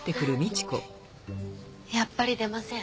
やっぱり出ません。